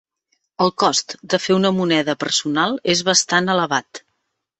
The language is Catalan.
El cost de fer una moneda personal és bastant elevat.